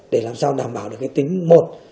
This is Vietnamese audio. để làm sao đảm bảo được cái tính một